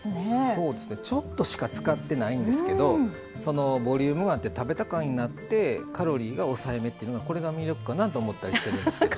そうですねちょっとしか使ってないんですけどボリュームがあって食べた感になってカロリーが抑えめっていうのがこれが魅力かなと思ったりしてるんですけど。